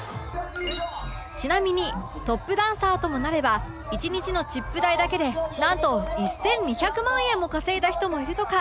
ちなみにトップダンサーともなれば１日のチップ代だけでなんと１２００万円も稼いだ人もいるとか